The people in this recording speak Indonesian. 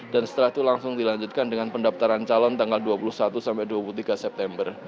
dan setelah itu langsung dilanjutkan dengan pendaftaran calon tanggal dua puluh satu sampai dua puluh tiga september